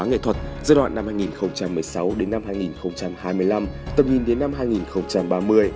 nghệ thuật giai đoạn năm hai nghìn một mươi sáu hai nghìn hai mươi năm tập nhìn đến năm hai nghìn ba mươi